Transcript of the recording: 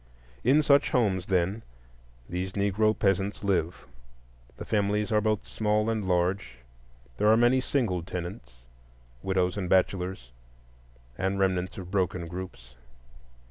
In such homes, then, these Negro peasants live. The families are both small and large; there are many single tenants,—widows and bachelors, and remnants of broken groups.